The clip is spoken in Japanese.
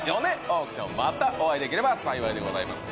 オークションまたお会いできれば幸いでございます。